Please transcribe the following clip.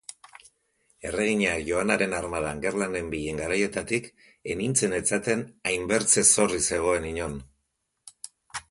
Erregina Joanaren armadan gerlan nenbilen garaietatik ez nintzen etzaten hainbertze zorri zegoen inon.